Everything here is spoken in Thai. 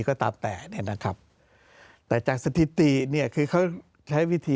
ก็ตามแต่เนี่ยนะครับแต่จากสถิติเนี่ยคือเขาใช้วิธี